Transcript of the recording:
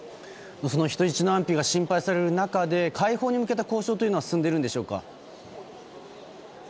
その人質の安否が心配される中で解放に向けた交渉は進んでいるんでしょうか。